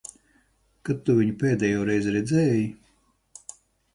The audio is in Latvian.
Kad tu viņu pēdējoreiz redzēji?